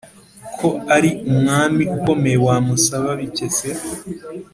Ko ari Umwami ukomeye, Wamusaba bike, se ?